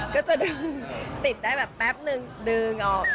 ก็จะติดได้แป๊บนึงดึงออก